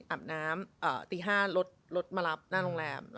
อาบน้ำตี๕รถมารับหน้าโรงแรม